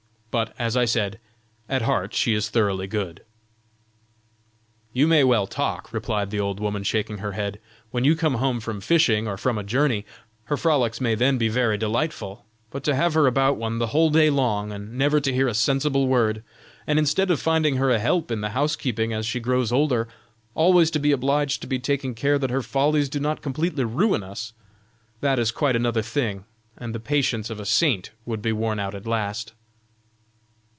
But, as I said, at heart she is thoroughly good." "You may well talk," replied the old woman, shaking her head; "when you come home from fishing or from a journey, her frolics may then be very delightful, but to have her about one the whole day long, and never to hear a sensible word, and instead of finding her a help in the housekeeping as she grows older, always to be obliged to be taking care that her follies do not completely ruin us, that is quite another thing, and the patience of a saint would be worn out at last."